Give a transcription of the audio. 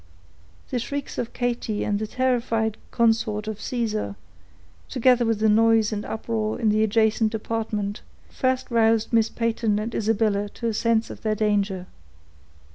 The shrieks of Katy and the terrified consort of Caesar, together with the noise and uproar in the adjacent apartment, first roused Miss Peyton and Isabella to a sense of their danger.